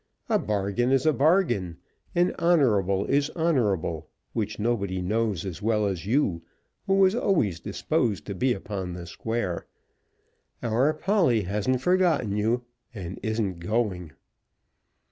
A bargain is a bargain, and honourable is honourable, which nobody knows as well as you who was always disposed to be upon the square. Our Polly hasn't forgotten you, and isn't going.